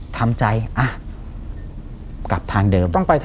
ทำใจอ่ะกลับทางเดิม